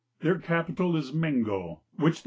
Their capital is Meiigo, which the.